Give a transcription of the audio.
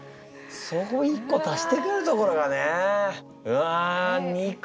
そこ一個足してくるところがね。